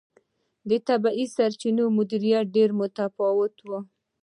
د طبیعي سرچینو مدیریت ډېر متفاوت و.